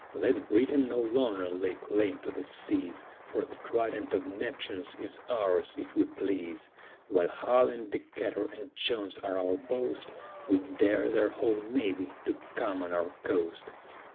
Let Britain no longer lay claim to the seas, For the trident of Neptune is ours, if we please, While Hull and Decatur and Jones are our boast, We dare their whole navy to come on our coast.